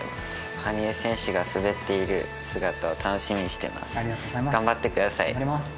羽生選手が滑っている姿を楽しみにしています。